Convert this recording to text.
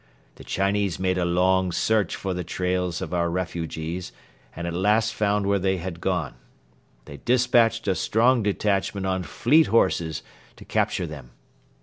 The Chinese made a long search for the trails of our refugees and at last found where they had gone. They despatched a strong detachment on fleet horses to capture them.